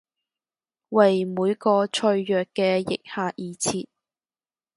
為每個脆弱嘅腋下而設！